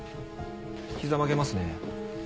ひざ曲げますね。